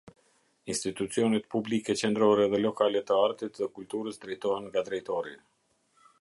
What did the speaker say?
Institucionet publike qendrore dhe lokale të artit dhe kulturës drejtohen nga drejtori.